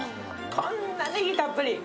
こんなねぎたっぷり。